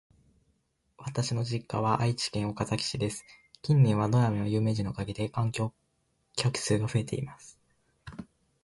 私の実家は愛知県岡崎市です。近年はドラマや有名人のおかげで観光客数が増えています。